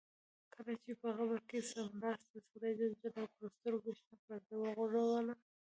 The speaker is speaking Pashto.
کله چې په قبر کې څملاست خدای جل جلاله پر سترګو شنه پرده وغوړوله.